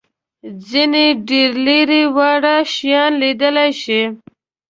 ځینې ډېر لېري واړه شیان لیدلای شي.